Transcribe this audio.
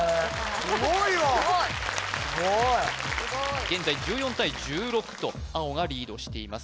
すごいわすごい現在１４対１６と青がリードしています